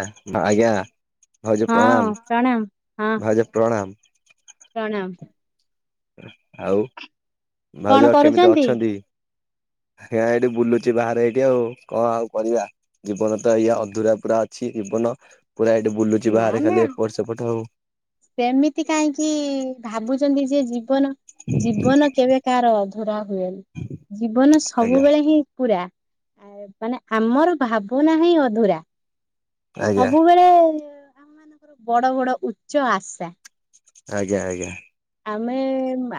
ଆଜ୍ଞ ଆଜ୍ଞା ଭାଉଜ ହଁ ପ୍ରଣାମ ହଁ ଭାଉଜ ପ୍ରଣାମ! ପ୍ରଣାମ! ଆଉ କଣ ଭାଉଜ କେମିତି କରୁଛନ୍ତି? ଅଛନ୍ତି? ହେ ଏଇଠି ବୁଲୁଚ ବାହାରେ ଏଇଠି ଆଉ କଣ ଆଉ କରିବା ଜୀବନ ତ ଏଇା ଅଧୁରା ପୁରା ଅଛି ଜୀବନ ପୁରା ଏଇଠି ବୁଲୁଛି ନା ବାହାରେ ନା ଖାଲି ଏପଟ ସେପଟ ଆଉ ସେମିତି କାହିଁକି ଭାବୁ ଯେ ଜୀବନ ଜୀବନ କେବେ କାହାର ଅଧୁରା ହୁଏନ ଜୀବନ ଆଜ୍ଞା ସବୁବେଳେ ହିଁ ପୁରା ଆ ମାନେ ଆମର ଭାବନାହିଁ ଅଧୁରା ଆଜ୍ଞା ସବୁବେଳେ ଆମ ମାନଙ୍କର ବଡ ବଡ ଉଚ୍ଚ ଆଶା ଆଜ୍ଞା ଆଜ୍ଞା। ଆମେ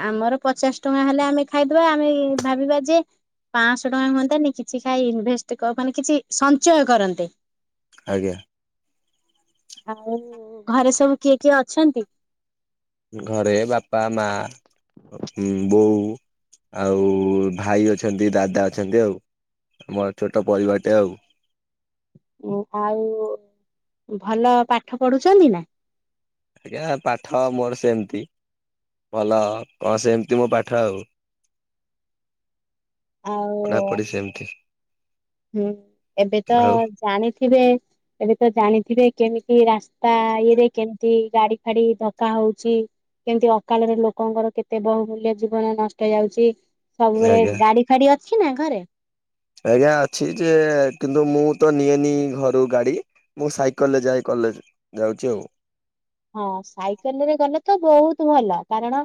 ଆମର ପଚାଶ ଟଙ୍କା ହେଲେ ଆମେ ଖାଇଦବା ଆମେ ଭାବିବା ଯେ ପାଞ୍ଚଶହ ଟଙ୍କା ହୁଅନ୍ତତା ନା କିଛି ଖାଇ ଇନଭେଷ୍ଟ ମାନେ କିଛି ସଞ୍ଚୟ କରନ୍ତେ। ଆଜ୍ଞା। ଆଉ ଘରେ ସବୁ କିଏ କିଏ ଅଛନ୍ତି? ଘରେ ବାପା ମା ବୋଉ ଆଉ ଭାଇ ଅଛନ୍ତି ଦାଦା ଅଛନ୍ତି ଆଉ। ଆମର ଛୋଟ ପରିବାରଟେ ଆଉ। ଆଉ ଭଲ ପାଠ ପଢୁଛନ୍ତି ନା? ଆଜ୍ଞା ପାଠ ମୋର ସେମିତି ଭଲ ଆଉ କଣ ସେମିତି ମୋ ପାଠ ଆଉ। ଆଉ ପଢ଼ାପଢି ସେମିତି। ହୁଁ ଏବେ ତ ଆଉ ଜାଣିଥିବେ ଏବେ ତ ଜାଣି ସେଥିରେ କେମିତି ରାସ୍ତା ଇଏରେ କେମିତି ଗାଡି ଫାଡି ଧକା ହଉଛି। କେମିତି ଅକାଳରେ ଲୋକଙ୍କର କେତେ ବହୁମୂଲ୍ୟ ଜୀବନ ନଷ୍ଟ ଯାଉଛି। ସବୁବେଳେ ଆଜ୍ଞା ଗାଡି ଫାଡି ଅଛି ନା ଘରେ? ଆଜ୍ଞା ଅଛି ଯେ କିନ୍ତୁ ମୁଁ ତ ନିଏନି ଘରୁ ଗାଡି ମୁଁ ସାଇକେଲରେ ଯାଏ କ ଲେଜ୍‌ ଯାଉଛି ଆଉ। ହଁ ସାଇକେଲ ରେ ଗଲେ ତ ବହୁତ ଭଲ କାରଣ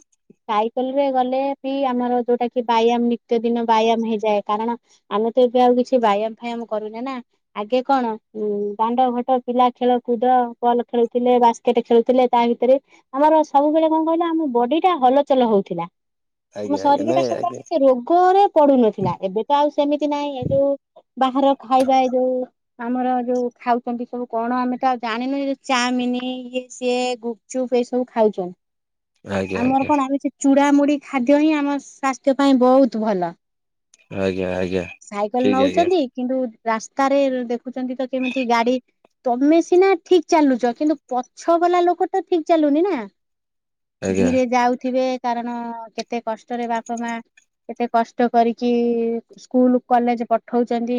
ସାଇକେଲ ରେ ଗଲେ ବି ଆମର ଯୋଉଟା କି ବ୍ୟାୟାମ ନିତ୍ୟ ଦିନ ବ୍ୟାୟାମ ହେଇଯାଏ କାରଣ ଆମେ ଏବେ ଆଉ କିଛି ବ୍ୟାୟାମ ଫାୟାମ କରୁନେ ନା ଆଗେ କଣ ଉଁ ଦାଣ୍ଡ ଘାଟ ପିଲା ଖେଳ କୁଦ ବଲ୍ ଖେଳୁଥିଲେ ବାସ କ୍ରିକେଟେ ଖେଳୁଥିଲେ ତା ଭିତରେ ଆମର ସବୁବେଳେ କଣ କହିଲା ଆମ ବଡି ଟା ହଲଚଲ ହଉଥିଲା। ଆମ ଆଜ୍ଞା ଆଜ୍ଞା ଶରୀର ଟା ନାଇଁ ଆଜ୍ଞା ସବୁ ରୋଗରେ ପଡୁନଥିଲା ଏବେ ତ ଆଉ ସେମିତି ନହିଁ ଏବେ ବାହାର ଖାଇବା ଏ ଯୋଉ ଆମର ଯୋଉ ଖାଉଛନ୍ତି ସବୁ କଣ ଆମେ ତ ଆଉ ଜାଣିନୁ ଚାମିନ ସିଏ ଗୁପ୍ ଚୁପ୍ ଏ ସବୁ ଖାଉଛନ୍ ଆଜ୍ଞା ଆମର ଆଜ୍ଞା କଣ ଆମେ ସେ ଚୁ ମୁୁଡ଼ାମୁଢ ଖାଦ୍ୟ ହିଁ ଆମ ସ୍ୱାସ୍ଥ୍ୟ ପାଇଁ ବହୁତ ଭଲ। ଆଜ୍ଞା ଆଜ୍ଞା। ସାଇକେଲ ଠିକ ଆଜ୍ଞା ନଉଛନ୍ତି କିନ୍ତୁ ରାସ୍ତାରେ ଦେଖୁଛନ୍ତି ତ କେମିତି ଗାଡି। ତମେ ସିନା ଠିକ୍ ଚାଲୁଛ କିନ୍ତୁ ପଛ ବାଲା ଲୋକଟା ଠିକ୍ ଚାଲୁନି ନା ଆଜ୍ଞା ଧୀରେ ଯାଉଥିବେ କାରଣ କେତେ କଷ୍ଟରେ ବାପା ମାଆ ଏତେ କଷ୍ଟ କରିକି ସ୍କୁଲ କଲେଜ ପଠଉଛନ୍ତି।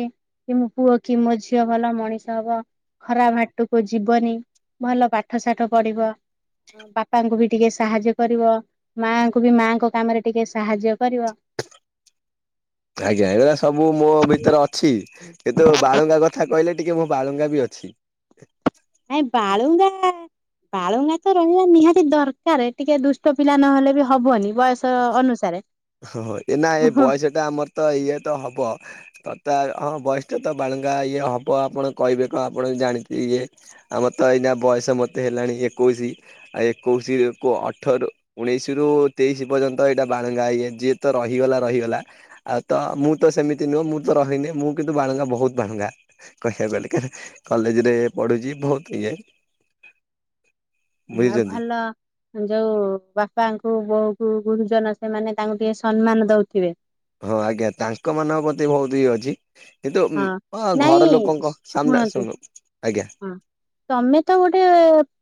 କି ମୋ ପୁଅ କି ମୋ ଝିଅ ଭଲ ମଣିଷ ହବ। ଖରାପ ବାଟକୁ ଯିବନି ଭଲ ପାଠ ସାଠ ପଢିବ ବାପାଙ୍କୁ ବି ଟିକେ ସାହାଯ୍ୟ କରିବ ମାଙ୍କୁ ବି ମାଙ୍କ କାମରେ ଟିକେ ସାହାଯ୍ୟ କରିବ ଟି। ଆଜ୍ଞା ଏରା ସବୁ ମୋ ଭିତରେ ଅଛି କିନ୍ତୁ ବାଳୁଙ୍କା କଥା କହିଲେ ଟିକେ ମ ବାଳୁଙ୍ଗା ବି ଅଛି। ନାଇଁ ବାଳୁଙ୍ଗା ବାଳୁଙ୍ଗା ତ ରହିବା ନିହାତି ଦରକାର ଟିକେ ଦୁଷ୍ଟ ପିଲା ନହେଲେ ବି ହବନି। ବୟସ ଅନୁସାରେ ହଁ ଏନା ଏ ବୟସ ଟା ଆମର ତ ଇଏ ତ ହବ। ହଁ ବୟସ ତ ବାଳୁଙ୍ଗା ଇଏ ହବ ଆପଣ କହିବେ କ ଆପଣ ଜାଣିଛି ଇଏ ଆମର ତ ବୟସ ମୋତେ ହେଲାଣି ଏକୋଇଶ ଆଉ ଏକୋଇଶ ଅଠ ଉଣେଇଶ ରୁ ତେଇଶ ପର୍ଯ୍ୟନ୍ତ ଏଇଟା ବାଳୁଙ୍ଗା ଇଏ ଯିଏ ତ ରହିଗଲା ରହିଗଲା ଆଉ ତ ମୁଁ ତ ସେମିତି ନୁହଁ ମୁଁ ତ ରହିନି। ମୁଁ କିନ୍ତୁ ବାଳୁଙ୍ଗା ବହୁତ ବାଳୁଙ୍ଗା କହିବାକୁ ଗଲେ କଲେଜ ରେ ପଢୁଛି ବହୁତ ଇଏ। ବୁଝୁଛନ୍ତି। ଭଲ ଯୋଉ ବାପାଙ୍କୁ ବହୁ ଗୁରୁଜନ ସେମାନେ ତାଙ୍କୁ ଟିକେ ସମ୍ମାନ ଦଉଥିବେ। ହଁ ଆଜ୍ଞା ତାଙ୍କ ମାନଙ୍କ ପ୍ରତି ବହୁତ ଇଏ ଅଛି। କିନ୍ତୁ ହଁ ନାଇଁ ଘର ଲୋକଙ୍କ ସାମ୍ନା ଶୁଣନ୍ତୁ ସ ଆଜ୍ଞା। ହଁ ତମେ ତ ଗୋଟେ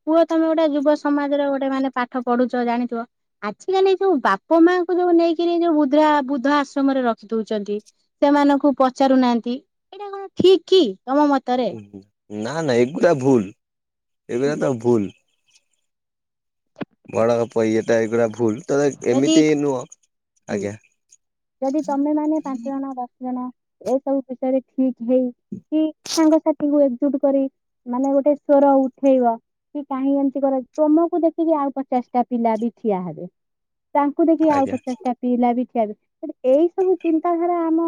ପୁଅ ତମେ ଗୋଟେ ଯୁବ ସମାଜରେ ଗୋଟେ ମାନେ ପାଠ ପଢୁଛ ଜାଣିଛ ଆଜିକାଲି ଯୋଉ ବାପା ମାଙ୍କୁ ଯୋଉ ନେଇକରି ଯୋଉ ବୁଦ୍ଧା ବୁଦ୍ଧ ଆଶ୍ରମରେ ରଖି ଦଉଛନ୍ତି ସେମାନଙ୍କୁ ପଚାରୁନାହାନ୍ତି। କି ଏଇଟା କଣ ଠିକ୍‌ କି ତମ ମତରେ? ନା ନା ଏଗୁରା ଭୁଲ୍ ଏଗୁରା ତ ଭୁଲ୍। ବଡ କପ ଇଏ ଟାଇପ୍ ର। ଭୁଲ୍ ତେ ଯଦି ଏମିତି ନୁହଁ ହୁଁ। ଆଜ୍ଞା। ଯଦି ତମେ ମାନେ ପାଞ୍ଚ ଜଣ ଦଶ ଜଣ ଏସବୁ ବିଷୟରେ ଠିକ୍ ହେଇ କି ସାଙ୍ଗସାଥି କ ଏକଜୁଟ କରି ମାନେ ଗୋଟେ ସେ ଉଠେଇବ କି କାହିଁ ଏମିତି କର ତମକୁ ଦେଖିକି ଆଉ ପଚାଶଟା ପିଲା ବି ଠିଆ ହେବେ। ତାଙ୍କୁ ଦେଖି ଆଉ ଆଜ୍ଞା ପଚାଶ ଟା [unintelligible] ଏଇ ସବୁ ଚିନ୍ତାଧାରା ଆମ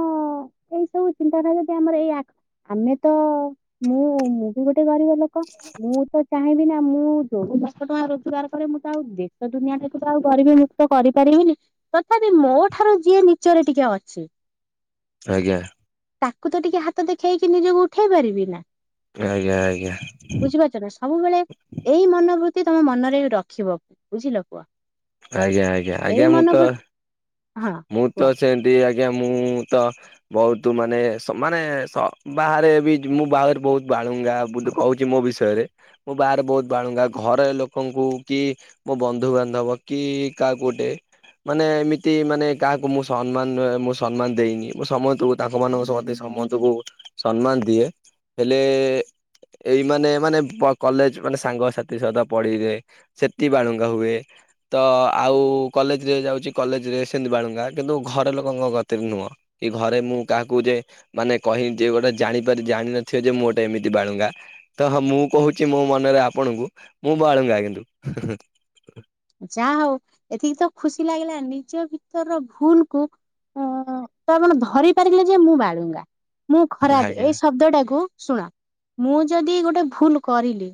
ଆମେ ତ ମୁଁ ମୁଁ ବି ଗୋଟେ ଗରିବ ଲୋକ ମୁଁ ତ ଚାହିଁବି ନା ମୁଁ ଯୋଉ ଦଶ ଟଙ୍କା ରୋଜଗାର କରେ ମୁଁ ତ ଆଉ ଦେଶ ଦୁନିଆ ଟାକୁ ତ ଆଉ କରିବିନି କରିପାରିବିନି ତଥାପି ମୋ ଠାରୁ ଯିଏ ନିଚରେ ଟିକେ ଅଛି ଆଜ୍ଞା। ତାକୁ ତ ଟିକେ ହାତ ଦେଖେଇକି ନିଜକୁ ଉଠେଇ ପାରିବି ନା। ଆଜ୍ଞା ଆଜ୍ଞା ବୁଝିପାରୁଛ ନା ସବୁବେଳେ ଏଇ ମନୋବୃତ୍ତି ତମ ମନରେ ରଖିବ ବୁଝିଲ ପୁଅ। ଆଜ୍ଞା ଆଜ୍ଞା ଏଇ ଆଜ୍ଞା ମୁଁ ତ ମନୋବୃତ୍ତି ହଁ ମୁଁ କୁହ। ତ ସେମତି ଆଜ୍ଞା ମୁଁ ତ ବୋହୁତ ମାନେ ମାନେ ବାହାରେ ବି ମୁଁ ବାହାରେ ବୋହୁ ବୋହୁତ ବାଳୁଙ୍ଗା କୋହୁଚି ମୋ ବିଷୟରେ ମୁଁ ବାହାରେ ବୋହୁତ ବାଳୁଙ୍ଗା ଘର ଲୋକଙ୍କୁ କି ମୋ ବନ୍ଧୁବାନ୍ଧବ କି କାହା କୋଉଟେ ମାନେ ଏମିତି ମାନେ କାହାକୁ ମୁଁ ସମ୍ମାନ ମୁଁ ସମ୍ମାନ ଦେଇନି ମୁଁ ସମସ୍ତଙ୍କୁ ତାଙ୍କ ମାନଙ୍କ ସମସ୍ତଙ୍କୁ ସମ୍ମାନ ଦିଏ ହେଲେ ଏଇ ମାନେ ମାନେ କଲେଜ ମାନେ ସାଙ୍ଗସାଥି ସତ ପଢି ସେଠି ବାଳୁଙ୍ଗା ହୁଏ। ତ ଆଉ କଲେଜରେ ଯାଉଛି କଲେଜ ବାଳୁଙ୍ଗା କିନ୍ତୁ ଘର ଲୋକଙ୍କ ଗତିରେ ନୁହଁ କି ଘରେ ମୁଁ କାହାକୁ ଯେ ମାନେ କହି ଗୋଟେ ଜାଣିପାର ଜାଣିନଥିବ ଯେ ମୁଁ ଗୋଟେ ଏମିତି ବାଳୁଙ୍ଗା, ତ ହଁ ମୁଁ କୋହୁଚୁ ମୋ ମନରେ ଆପଣଙ୍କୁ ମୁଁ ବଳୁଙ୍ଗା କିନ୍ତୁ ଯାହା ହୋଉ ଏତିକି ତ ଖୁସି ଲାଗିଲା ନିଜ ଭିତରର ଭୁଲ କୁ ଅ ତ ଆପଣ ଧରି ପାରିଲେ ଯେ ମୁଁ ବାଳୁ ମୁଁ ଖରାପ ଆଜ୍ଞା ଏଇ ଶବ୍ଦଟାକୁ ଶୁଣା ମୁଁ ଯଦି ଗୋଟେ ଭୁଲ କରିଲି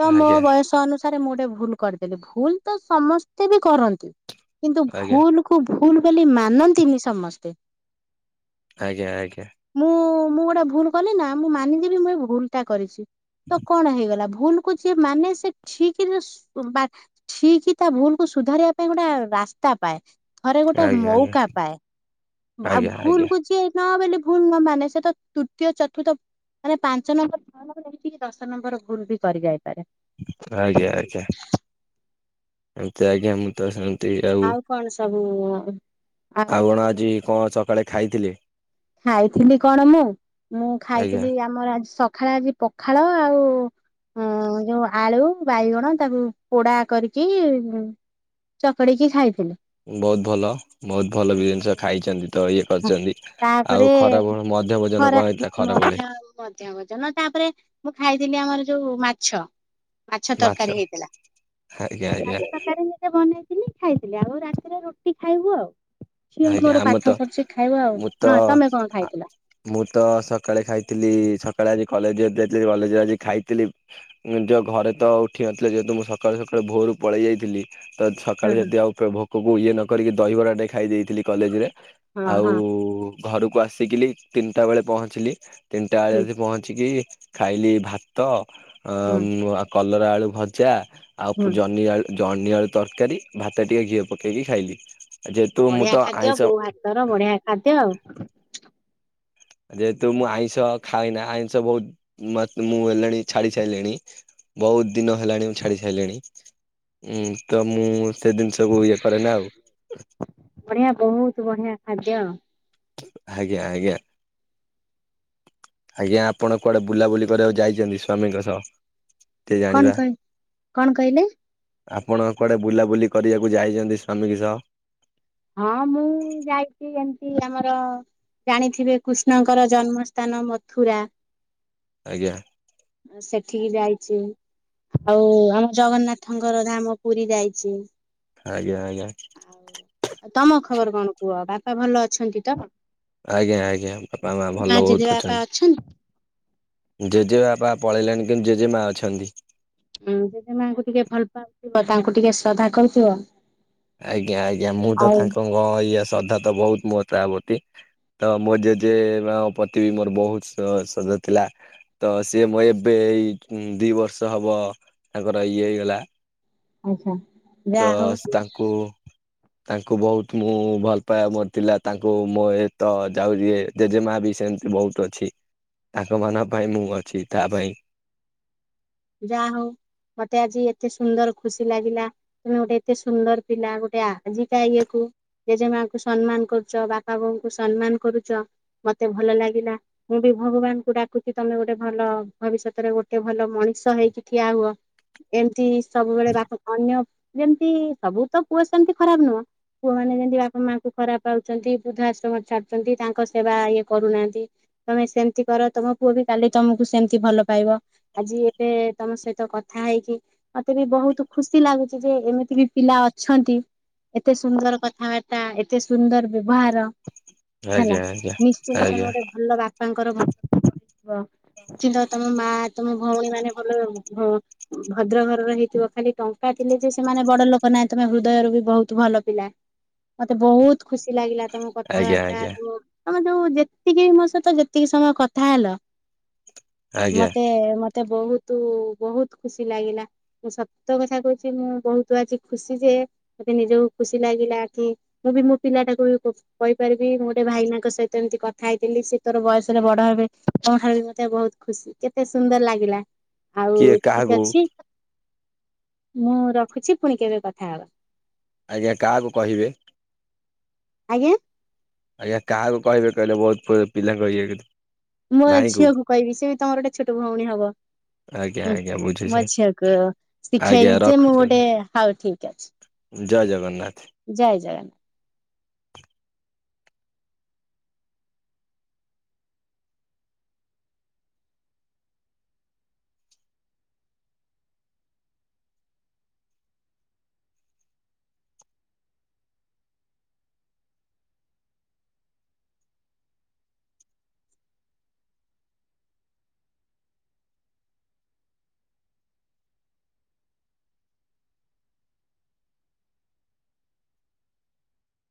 ତ ମୋ ଆଜ୍ଞା ବୟସ ଅନୁସାରେ ମୁଁ ଗୋଟେ ଭୁଲ କରିଦେଲି ଭୁଲ ତ ସମସ୍ତେ ବି କରନ୍ତି। କିନ୍ତୁ ଆଜ୍ଞା। ଭୁଲ କୁ ଭୁଲ ବୋଲି ମାନନ୍ତିନି ସମସ୍ତେ। ଆଜ୍ଞା ଆଜ୍ଞା। ମୁଁ ମୁଁ ଗୋଟେ ଭୁଲ କଲି ନା ମୁଁ ମାନିଦେବି ମୁଁ ଏ ଭୁଲ ଟା କରିଚି ତ କଣ ହେଇଗଲା। ଭୁଲ କୁ ଯିଏ ମାନେ ସେ ଠିକ ବା ଠିକ ତା ଭୁଲ କୁ ସୁଧାରିବା ପାଇଁ ଗୋଟେ ରାସ୍ତା ପାଏ। ଥରେ ଗୋଟେ ଆଜ୍ଞା ମଉକା ପାଏ, ଆଉ ଆଜ୍ଞା ଆଜ୍ଞା ଆଜ୍ଞା ଭୁଲକୁୁ ଯିଏ ନ ବୋଲି ଭୁଲ ନ ମାନେ ସେ ତ ତୃତୀୟ ଚତୁର୍ଥ ମାନେ ପାଞ୍ଚ ନମ୍ବର ହେ ଦଶ ନମ୍ବର ଗୁଲ ବି କରି ଯାଇପାରେ। ଯାଇକି [unintelligible] ଆଉ କଣ ସବୁ ଆପଣ ଆଉ ଆଜି କଣ ସକାଳେ ଖାଇଥିଲେ? ଖାଇଥିଲି କଣ ମୁଁ ମୁଁ ଆଜ୍ଞା। ଖାଇଥିଲି ଆମର ସ ପଖାଳ ଆଜି ପଖାଳ ଆଉ ହଁ ଯୋଉ ଆଳୁ ବାଇଗଣ ତାକୁ ପୋଡା କରିକି ଚକଡି କି ଖାଇ ବୋହୁତ ଭଲ ବୋହୁତ ଭଲ ବି ଜିନିଷ ଆଉ ଖାଇଛନ୍ତି। ତ ଇଏ କରିଛନ୍ତି। ଆଉ ତାପରେ ଖରା ମଧ୍ୟାହ୍ନ ଭୋଜନ ଖରା କଣ ହେଇଥିଲା ମ ଖରାବେଳେ? ଆଉ ମଧ୍ୟ ଭଜନ ତାପରେ ତାପରେ ମୁଁ ଖାଇଥିଲି ଆମର ଯୋଉ ମାଛ। ମାଛ ତରକାରୀ ହେଇଥିଲା ଆଜ୍ଞା ମାଛ ଆଜ୍ଞା ତରକାରୀ ନିଜେ ବନେଇ ଖାଇଥିଲି ଆଗ ରାତିରେ ରୁଟି ଖାଇବୁ ଆଉ ଝିଅ ଆଜ୍ଞା ଆମେ ମୁଁ [unintelligible] ତ ଖାଇବ ଆଉ ହଁ ତମେ କଣ ଖାଇଥିଲ ମୁଁ ତ ସକାଳେ ଖାଇଥିଲି ସକାଳେ ଆଜି କଲେଜ ଯଥିଲି କଲେଜ ଆଜି ଖାଇଥିଲିଁ ଯ ଘରେ ତ ଉଠି ନଥିଲଥିଲେ ଯେହେତୁ ମୁଁ ସକାଳୁ ସକା ଭୋରୁ ପଳେଇ ଯାଇଥିଲି ତ ହଁ ସକାଳେ ହଁ ଯଦି ଆଉ ଭୋକକୁ ଇଏ ନକିକି ଦହିବରାଟେ ଖାଇ ଦେଇ ଥିଲ କଲେଜ ରେ ହଁ ଆଉ ହଁ ଘରକୁ ଆସିକି ତିନିଟା ବେଳେ ପହଞ୍ଚିଲି। ତିନିଟା ବେଳେ ହୁଁ ଆ ପହଞ୍ଚିକି ଖାଇଲି ଭାତ ହୁଁ କ କଲରା ଆଳୁ ଭଜା ଆଉ ହୁଁ ଜହନି ଆଳୁ ଜନ୍ନି ଆଳୁ ତରକାରୀ ଭାତ ଟିକେ ଘିଅ ପକେଇକି ଖାଇଲି। ଯେହେତୁ ଆଉ ମୁଁ ତ ବଢିଆ ଖାଦ୍ୟ ଆଇଁଷ ବୋଉ ହାତର ବଢିଆ ଖାଦ୍ୟ ଆଉ ଯେହେତୁ ମୁଁ ଆଇଁଷ ଖାଏନା ଆଇଁଷ ବହୁତ ମୁଁ ହେଲେଣି ଛାଡି ସାରିଲିଣି । ବହୁତ ଦିନ ହେଲାଣି ମୁ ଛାଡି ସାରିଲିଣି ଉ ତ ମୁଁ ସେ ଜିନିଷକୁୁ ଇଏ କରେ ନା ଆଉ । ଆଜ୍ଞା ଆଜ୍ଞା ଆଜ୍ଞା ଆଜ୍ଞା ଆପଣ କୁଆଡେ ବୁଲାବୁଲି କରିବାକୁ ଯାଇଛନ୍ତି ସ୍ଵାମୀଙ୍କ ସହ ଟିକେ ଜାଣିବା। କଣ କହ କଣ କହିଲେ । ଆପଣ କୁଆଡେ ବୁଲାବୁଲି କରିବାକୁ ଯାଇଛନ୍ତି ସ୍ଵାମୀଙ୍କ ସହ ହଁ ମୁଁ ଯାଇଛି ଏମତି ଆମର ଜାଣିଥିବେ କୃଷ୍ଣଙ୍କର ଜନ୍ମସ୍ଥାନ ମଥୁରା ଆଜ୍ଞା ସେଠିକି ଯାଇଛି ଆଉ ଆମ ଜଗନ୍ନାଥଙ୍କର ଧାମ ପୁରୀ ଯାଇଛି । ଆଜ୍ଞା ଆଜ୍ଞା ଆଉ ତମ ଖବର କଣ କୁହ ବାପା ଭଲ ଅଛନ୍ତି ତ । ଆଜ୍ଞା ଆଜ୍ଞା ବାପା ମା ଭଲ ବହୁତ ଜେଜେବା ପା ଅଛନ୍ତି ଜେଜେ ବାପାା ପଳେଇଲାଲେଣି କିନ୍ତୁ ଜେଜେ ମାଆ ଅଛନ୍ତି । ଜେଜଜ ମାଙ୍କୁ ଟିକେ ଭଲ ପାଉଥିବ ତାଙ୍କୁ ଟିକେ ଶ୍ରଦ୍ଧା କରୁଥିବ । ଆଜ୍ଞା ଆଜ୍ଞା ମୁଁ ତ ତାଙ୍କ ଇଏ ଶ୍ରଦ୍ଧା ତ ବହୁତ ମୋ ତା ପତୀ ତ ମୋ ଜେଜେ ମା ପତି ବି ମୋର ବହୁତ ସଜା ଥିଲା ତ ସିଏ ମୁଁ ଏବେ । ଏଇ ଦି ବର୍ଷ ହବ ତାଙ୍କର ଇଏ ହେଇଗଲା । ଆଚ୍ଛା ଯାହଉ ତାଙ୍କୁ ତାଙ୍କୁ ବହୁତ ମୁଁ ଭଲ ପାଇବା ମୋର ଥିଲା ତାଙ୍କୁ ମୁଁ ଏ ତ ଯାଉଛି ଜେଜେମା । ବି ସେମିତି ବହୁତ ଅଛି ତାଙ୍କ ମନ ପାଇଁ ମୁଁ ଅଛି ତା ପାଇଁ ଯା ହଉ ମତେ ଆଜି ଏତେ ସୁନ୍ଦର ଖୁସି ଲାଗିଲା ତମେ ଗୋଟେ ଏତେ ସୁନ୍ଦର ପିଲା ଗୋଟେ ଆଜିକା ଇଏ କ ଜେଜେମାଙ୍କୁ ସମ୍ମାନ କରୁଛ ବାପା ବୋଉଙ୍କୁ ସମ୍ମାନ କରୁଛ । ମତେ ଭଲ ଲାଗିଲା ମୁଁ ବି ଭଗବାନଙ୍କୁ ଡାକୁଛି ତମେ ଗୋଟେ ଭଲ ଭବିଷ୍ୟତରେ ଗୋଟେ ଭଲ ମଣିଷ । ମଣିଷ ହେଇକି ଠିଆ ହୁଅ । ଏମତି ସବୁବେଳେ ବା ଅନ୍ୟ ଯେମିତି ସବୁ ତ ପୁଅ ସେମିତି ଖରାପ ନୁହଁ । ପୁଅମାନୋନେ ଯେମିତି ବାପା ମାଙ୍କୁ ଖରାପ ପାଉଛନ୍ତି। ବୃଦ୍ଧା ଆଶ୍ରମ ଛାଡୁଛନ୍ତି ତାଙ୍କ ସେବା ଇଏ କରୁନାହାନ୍ତି। ତମେ ସେମିତି କର ତମ ପୁଅ ବି କାଲି ତମକୁ ସେମତି ଭଲ ପାଇବ ଆଜି । ମ ତମ ସହିତ କଥା ହେଇକି ମତେ ବି ବହୁତ ଖୁସି ଲାଗୁଛି ଯେ ଏମିତି ବି ପିଲା ଅଛନ୍ତି । ଏତେ ସୁନ୍ଦର କଥାବାର୍ତ୍ତା ଏତେ ସୁନ୍ଦର ବ୍ୟବହାର । ହେଲା ଆଜ୍ଞା ଆଜ୍ଞା ନିଶ୍ଚିନ୍ତ ତମେ ଆଜ୍ଞା ଗୋଟେ ଭଲ ବାପା । କିନ୍ତ ତମ ମା ତମ ଭଉଣୀ ମାନେ ‌ ଭଲ ଭଦ୍ର ଘରର ହେଇଥିବ ଖାଲି ଟଙ୍କା ଥିଲେ ଯେ ସେମାନେ ବଡ ଲୋକ ନାହିଁ ତମେ ହୃଦୟରୁ ବହୁତ ଭଲ ପିଲା ମତେ ବହୁତ ଖୁସି ଲାଗିଲା ତମ ଆଜ୍ଞା କଥାବାର୍ତ୍ତା ଆଜ୍ଞା ତମ । ତମେ ଯୋଉ ଯେତିକି ମୋ ସହିତ ଯେତିକି ସମୟ କଥା ହେଲ ଆଜ୍ଞା ମତେ ମତେ ବହୁତ। ତୁ ବହୁତ ଖୁସି ଲାଗିଲା ମୁଁ ସତ କଥା କହୁଛି ମୁଁ ବହୁତ ଆଜି ଖୁସି ଯେ ନିଜକୁ ଖୁସି ଲାଗିଲା କି ମୁଁ ବି ମୋ ପିଲାଟାକୁ କହିପାରିବି ମୁଁ ଗୋଟେ ଭାଇନାଙ୍କ ସହିତ ଏମିତି କଥା ହେଇଥିଲି ସେ ତୋର ବୟସରେ ବଡ ହେବେ କଣଠାରୁ ବି ମତେ ବହୁତ ଖୁସି କେତେ ସୁନ୍ଦର ଲାଗିଲା । ଆଉ କିଏ ଠିକ କାହାକୁ ଅଛି ମୁଁ ରଖୁଛି ପୁଣି କେବେ କଥା ହବ । ଆଜ୍ଞା କାହାକୁ କହିବେ । ଆଜ୍ଞା ଆଜ୍ଞା କାହାକୁ କହିବେ କହିଲେ? ବହୁତ ପିଲାଙ୍କୁ ୟେକୁ ମୋ ଏ ଝିଅ କୁ କହିବି। ସେ ବି ତମର ଗୋଟେ ଛୋଟ ଭଉଣୀ ହବ। ଆଜ୍ଞା ହୁଁ ଆଜ୍ଞା ମୋ ବୁଝୁଛେ ଝିଅକୁ ଆଜ୍ଞା ଶିଖେଇବି ଯେ, ମୁଁ ରଖୁଛି ଆଜ୍ଞା ଗୋଟେ ହଉ ଠିକ ଅଛି। ଜୟ ଜଗନ୍ନାଥ। ଜୟ ଜଗନ୍ନାଥ।